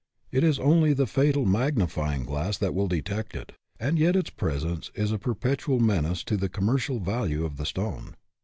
It is only the fatal magnifying glass that will detect it, and yet its presence is a perpetual menace to the commercial value of the stone.